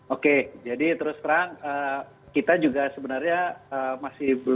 oke jadi terus terang kita juga sebenarnya masih